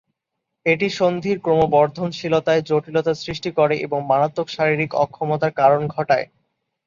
এটি সন্ধির ক্রমবর্ধনশীলতায় জটিলতা সৃষ্টি করে এবং মারাত্মক শারীরিক অক্ষমতার কারণ ঘটায়।